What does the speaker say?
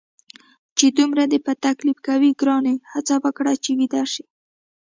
چې دومره دې په تکلیف کوي، ګرانې هڅه وکړه چې ویده شې.